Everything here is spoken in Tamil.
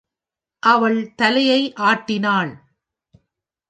அவள் தலையை ஆட்டினாள்.